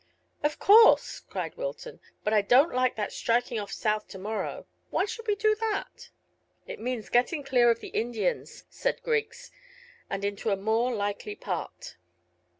"Of course," cried Wilton; "but I don't like that striking off south to morrow; why should we do that?" "It means getting clear of the Indians," said Griggs, "and into a more likely part."